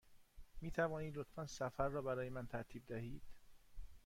می توانید لطفاً سفر را برای من ترتیب دهید؟